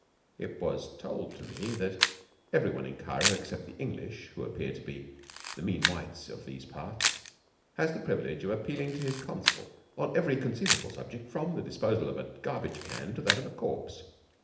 It was told to me that every one in Cairo except the English, who appear to be the mean whites of these parts, has the privilege of appealing to his consul on every conceivable subject from the disposal of a garbage can to that of a corpse.